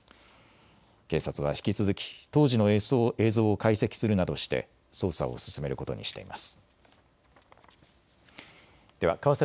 警察は引き続き当時の映像を解析するなどして捜査を進めることにしています。